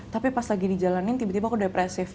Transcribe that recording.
tapi pas lagi dijalani tiba tiba aku depressive